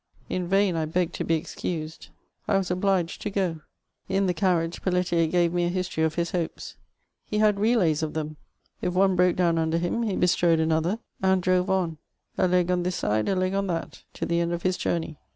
In vain I begged to be excused ; I was obliged to go. In the carriage Felletier gave me a history of his hopes ; he had relays of them ; if one broke down under him, he bestrode another, and drove on, a leg on this side, a leg on that, to the end of his journey.